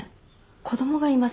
子供がいます。